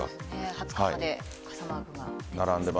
２０日まで傘マークが。